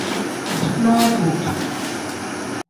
Nozi.